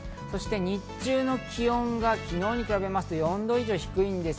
日中の気温が昨日に比べますと４度以上低いです。